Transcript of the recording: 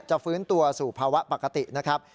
ฟื้นตัวสู่ภาวะปกตินะครับ